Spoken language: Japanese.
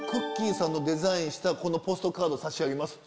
さんのデザインしたポストカード差し上げますって。